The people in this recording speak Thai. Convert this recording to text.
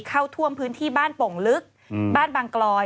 เข้าท่วมพื้นที่บ้านโป่งลึกบ้านบางกลอย